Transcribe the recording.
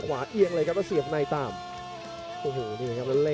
กันต่อแพทย์จินดอร์